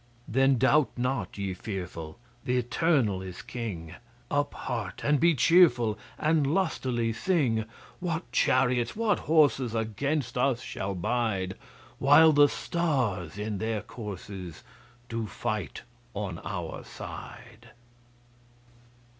Then, doubt not, ye fearful The Eternal is King Up, heart, and be cheerful, And lustily sing: What chariots, what horses, Against us shall bide While the Stars in their courses Do fight on our side?